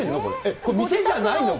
これ、店じゃないの？